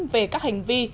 về các hành vi